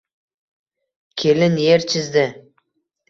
Kelin er chizdi